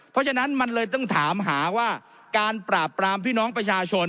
เพราะฉะนั้นมันเลยต้องถามหาว่าการปราบปรามพี่น้องประชาชน